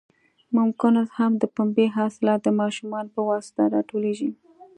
ممکن اوس هم د پنبې حاصلات د ماشومانو په واسطه راټولېږي.